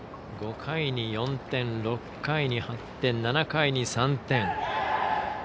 ５回に４点、６回に８点７回に３点。